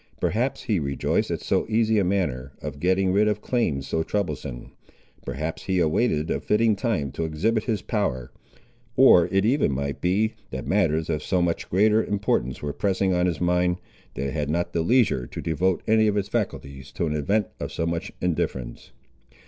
Perhaps he rejoiced at so easy a manner of getting rid of claims so troublesome; perhaps he awaited a fitting time to exhibit his power; or it even might be, that matters of so much greater importance were pressing on his mind, that it had not leisure to devote any of its faculties to an event of so much indifference.